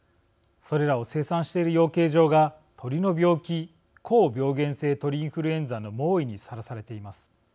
それらを生産している養鶏場が鳥の病気高病原性鳥インフルエンザの猛威にさらされています。